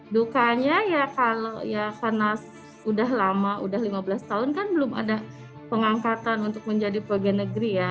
dukanya ya karena sudah lama sudah lima belas tahun kan belum ada pengangkatan untuk menjadi peguam negeri ya